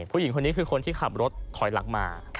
ผู้หญิงคนนี้คือคนที่ขับรถถอยหลังมา